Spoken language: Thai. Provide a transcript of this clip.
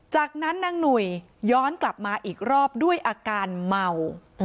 จากนั้นนางหนุ่ยย้อนกลับมาอีกรอบด้วยอาการเมา